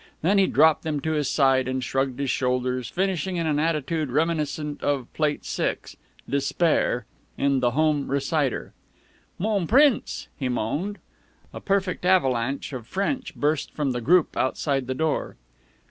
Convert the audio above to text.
Then he dropped them to his side, and shrugged his shoulders, finishing in an attitude reminiscent of Plate 6 ("Despair") in "The Home Reciter." "Mon Prince!" he moaned. A perfect avalanche of French burst from the group outside the door.